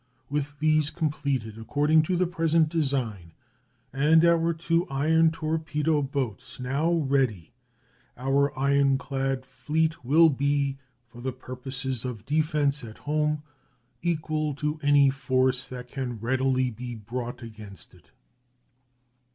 With these completed according to the present design and our two iron torpedo boats now ready, our ironclad fleet will be, for the purposes of defense at home, equal to any force that can readily be brought against it.